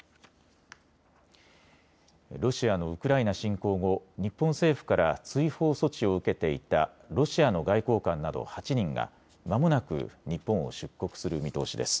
ロシアのウクライナ侵攻後、日本政府から追放措置を受けていたロシアの外交官など８人がまもなく日本を出国する見通しです。